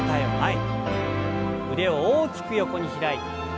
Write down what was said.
腕を大きく横に開いて。